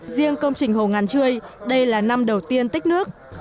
riêng công trình hồ ngàn trươi đây là năm đầu tiên tích nước